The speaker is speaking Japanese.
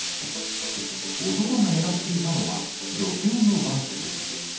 男が狙っていたのは、女性のバッグ。